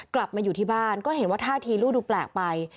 กลับมาอยู่ที่บ้านก็เห็นว่าท่าทีลูกดูแปลกไป